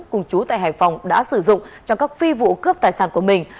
cùng chú tại hải phòng đã sử dụng trong các phi vụ cướp tài sản của mình